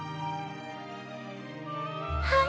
はい。